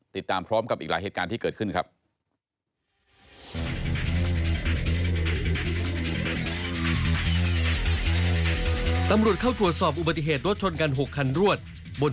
ติดตามพร้อมกับอีกหลายเหตุการณ์ที่เกิดขึ้นครับ